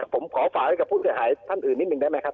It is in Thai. ผมขอฝากไว้กับผู้เสียหายท่านอื่นนิดนึงได้ไหมครับ